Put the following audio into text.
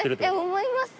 思います。